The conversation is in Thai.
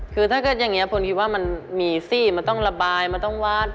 คือถ้าเกิดอย่างนี้พลคิดว่ามันมีสิมันต้องระบายมันต้องวาด